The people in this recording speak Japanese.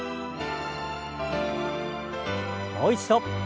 もう一度。